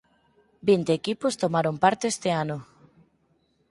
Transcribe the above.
Vinte equipos tomaron parte este ano.